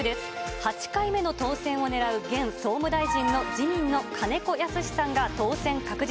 ８回目の当選をねらう、現総務大臣の自民の金子恭之さんが当選確実。